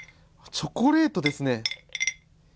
チョコレートですね。